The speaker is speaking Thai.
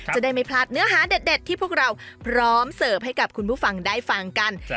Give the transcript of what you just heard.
จะได้ไม่พลาดเนื้อหาเด็ดที่พวกเราพร้อมเสิร์ฟให้กับคุณผู้ฟังได้ฟังกัน